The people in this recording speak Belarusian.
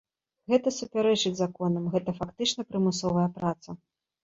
Гэта супярэчыць законам, гэта, фактычна, прымусовая праца.